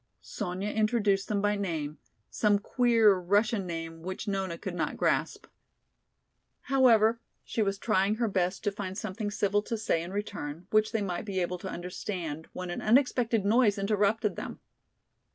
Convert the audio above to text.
Sonya introduced them by name, some queer Russian name which Nona could not grasp. However, she was trying her best to find something civil to say in return, which they might be able to understand, when an unexpected noise interrupted them.